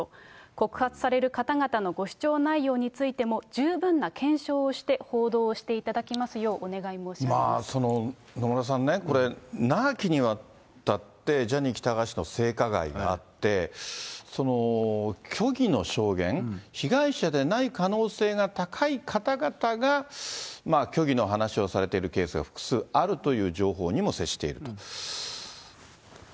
告発される方々のご主張内容についても、十分な検証をして報道をしていただきますようお願い申し上げます野村さん、これね、長きにわたってジャニー喜多川氏の性加害があって、その虚偽の証言、被害者でない可能性が高い方々が、虚偽の話をされているケースが複数あるという情報にも接していると。